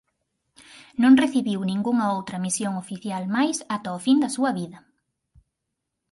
Non recibiu ningunha outra misión oficial máis ata o fin da súa vida.